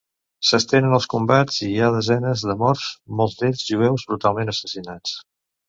S'estenen els combats i hi ha desenes de morts, molts d'ells jueus brutalment assassinats.